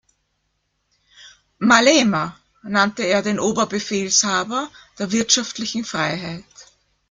Malema nannte er den „Oberbefehlshaber der wirtschaftlichen Freiheit“.